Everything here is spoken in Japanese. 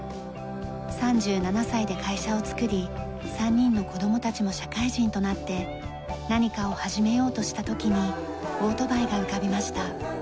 ３７歳で会社をつくり３人の子供たちも社会人となって何かを始めようとした時にオートバイが浮かびました。